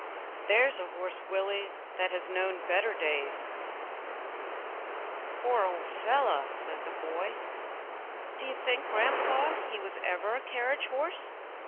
"There's a horse, Willie, that has known better days." "Poor old fellow!" said the boy, "do you think, grandpapa, he was ever a carriage horse?"